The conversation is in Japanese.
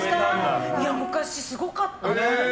昔、すごかったの。